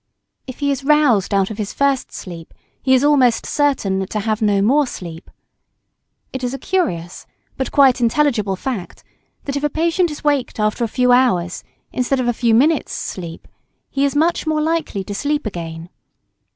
If he is roused out of his first sleep, he is almost certain to have no more sleep. It is a curious but quite intelligible fact that, if a patient is waked after a few hours' instead of a few minutes' sleep, he is much more likely to sleep again.